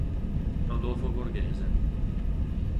Rodolfo Borghese